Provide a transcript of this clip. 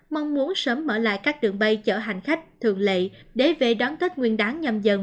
mong muốn sớm mở lại các đường bay chở hành khách thường lệ để về đón tết nguyên đáng nhầm dần dần